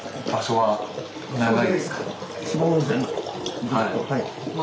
はい。